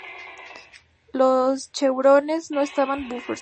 Los cheurones no estaban bifurcados.